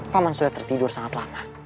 paman sudah tertidur sangat lama